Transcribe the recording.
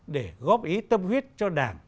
để góp ý tâm huyết cho đảng